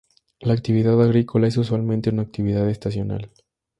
La actividad agrícola es usualmente una actividad estacional.